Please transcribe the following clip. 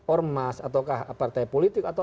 ormast atau partai politik atau